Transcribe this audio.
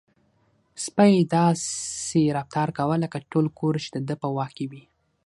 سپی داسې رفتار کاوه لکه ټول کور چې د ده په واک کې وي.